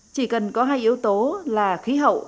chỉ cần có hai yếu tố là khí hậu